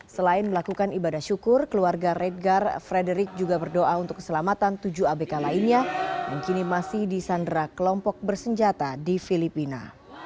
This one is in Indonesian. selain melakukan ibadah syukur keluarga redgar frederick juga berdoa untuk keselamatan tujuh abk lainnya yang kini masih di sandra kelompok bersenjata di filipina